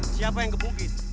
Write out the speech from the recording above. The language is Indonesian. siapa yang gebukin